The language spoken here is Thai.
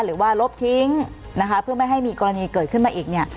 หรือว่าลบทิ้งนะคะเพื่อไม่ให้มีกรณีเกิดขึ้นมาอีกเนี่ย